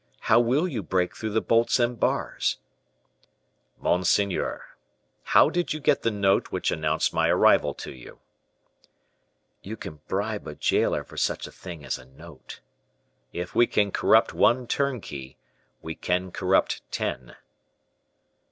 How will you break through the bolts and bars?" "Monseigneur, how did you get the note which announced my arrival to you?" "You can bribe a jailer for such a thing as a note." "If we can corrupt one turnkey, we can corrupt ten."